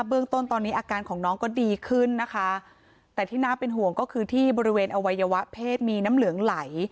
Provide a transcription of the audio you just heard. เรื่องต้นตอนนี้อาการของน้องก็ดีขึ้นนะคะแต่ที่น่าเป็นห่วงก็คือที่บริเวณอวัยวะเพศมีน้ำเหลืองไหล